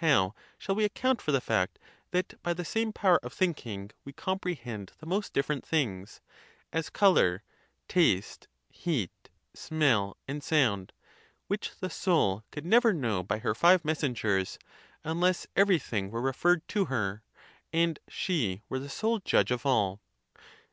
How shall we account for the fact that by the same power of thinking we comprehend the most different things—as color, taste, heat, smell, and sound—which the soul could never know by her five messengers, unless every thing were referred to her, and she were the sole judge of all?